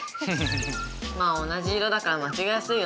まあ同じ色だから間違いやすいよね。